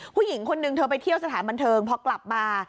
ผู้หญิงคนนึงเธอไปเที่ยวสถานบันเทิงพอกลับมา